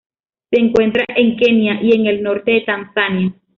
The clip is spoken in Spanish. Se encuentra en Kenia y en el norte de Tanzania.